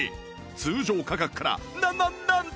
通常価格からなななんと！